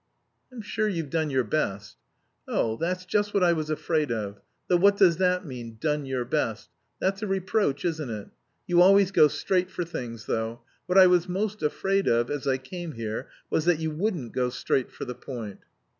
"I'm sure you've done your best." "Oh, that's just what I was afraid of. Though what does that mean, 'done your best'? That's a reproach, isn't it? You always go straight for things, though.... What I was most afraid of, as I came here, was that you wouldn't go straight for the point."